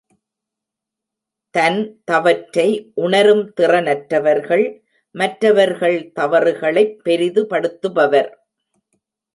தன் தவற்றை உணரும் திறனற்றவர்கள் மற்றவர்கள் தவறுகளைப் பெரிதுபடுத்துபவர்.